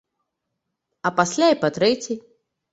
А пасля і па трэцяй!